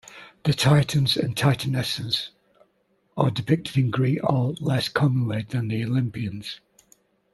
The Titans and Titanesses are depicted in Greek art less commonly than the Olympians.